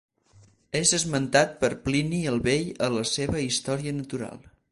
És esmentat per Plini el Vell a la seva Història natural.